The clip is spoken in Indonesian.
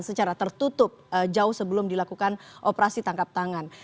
secara tertutup jauh sebelum dilakukan operasi tangkap tangan